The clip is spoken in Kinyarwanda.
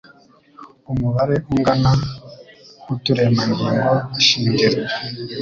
umubare ungana w'uturemangingo shingiro